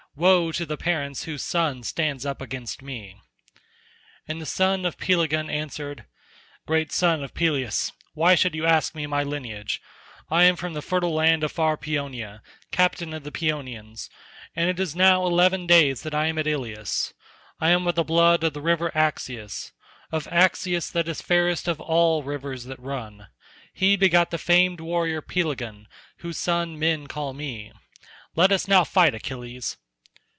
Woe to the parents whose son stands up against me." And the son of Pelegon answered, "Great son of Peleus, why should you ask my lineage. I am from the fertile land of far Paeonia, captain of the Paeonians, and it is now eleven days that I am at Ilius. I am of the blood of the river Axius—of Axius that is the fairest of all rivers that run. He begot the famed warrior Pelegon, whose son men call me. Let us now fight, Achilles."